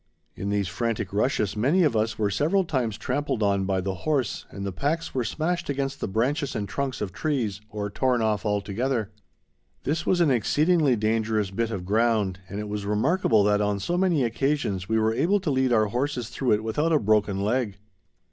In these frantic rushes many of us were several times trampled on by the horse, and the packs were smashed against the branches and trunks of trees, or torn off altogether. This was an exceedingly dangerous bit of ground, and it was remarkable that on so many occasions we were able to lead our horses through it without a broken leg.